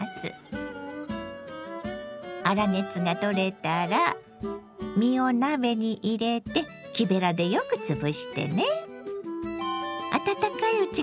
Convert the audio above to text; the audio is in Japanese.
粗熱が取れたら実を鍋に入れて木べらでよくつぶしてね。